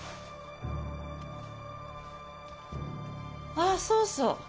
ああそうそう。